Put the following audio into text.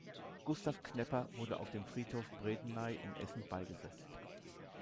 Gustav Knepper wurde auf dem Friedhof Bredeney in Essen beigesetzt.